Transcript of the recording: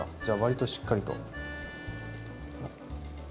じゃあ割としっかりと。